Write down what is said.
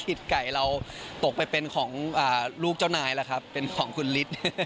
ไก่เราตกไปเป็นของลูกเจ้านายแล้วครับเป็นของคุณฤทธิ์